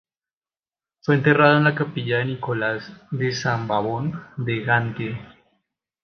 Fue enterrado en la Capilla de Nicolás de San Bavón de Gante.